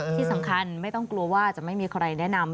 ที่สำคัญไม่ต้องกลัวว่าจะไม่มีใครแนะนำ